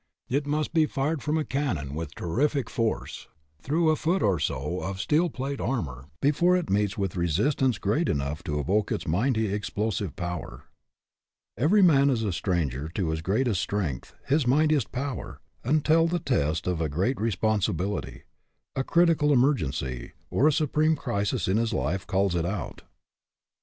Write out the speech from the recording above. It must be fired from a cannon, with terrific force, through a foot or so of steel plate armor, be fore it meets with resistance great enough to evoke its mighty explosive power. Every man is a stranger to his greatest strength, his mightiest power, until the test of a great responsibility, a critical emergency, or a supreme crisis in his life, calls it out.